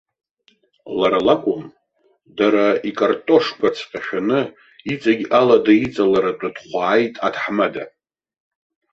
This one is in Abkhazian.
Лара лакәым, дара икартошқәаҵәҟьа шәаны иҵегь алада иҵаларатәа дхәааит аҭаҳмада.